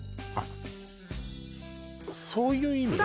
そういう意味ね